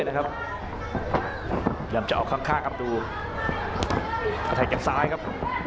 เดี๋ยวตอบครั้งข้างตกแสดงครับ